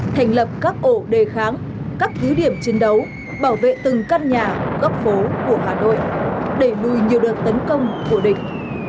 thành lập các ổ đề kháng các cứ điểm chiến đấu bảo vệ từng căn nhà góc phố của hà nội đẩy lùi nhiều đợt tấn công của địch